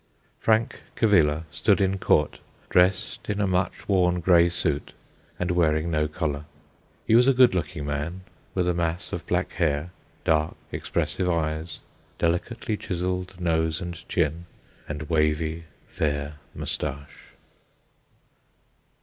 Frank Cavilla stood in court, dressed in a much worn grey suit, and wearing no collar. He was a good looking man, with a mass of black hair, dark, expressive eyes, delicately chiselled nose and chin, and wavy, fair moustache.